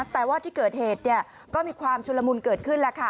แต่ว่าที่เกิดเหตุก็มีความชุลมุนเกิดขึ้นแล้วค่ะ